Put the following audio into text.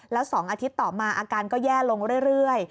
แล้ว๒อาทิตย์ต่อมาอาการก็แย่ลงเรื่อย